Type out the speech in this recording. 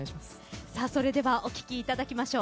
それではお聴きいただきましょう。